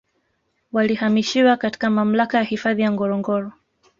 Walihamishiwa katika Mamlaka ya hifadhi ya Ngorongoro